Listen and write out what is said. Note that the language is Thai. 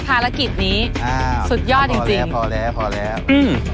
ภารกิจนี้อ่าสุดยอดจริงจริงพอแล้วพอแล้วอืม